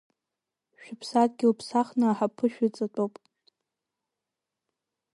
Шәыԥсадгьыл ԥсахны аҳаԥы шәыҵатәоуп.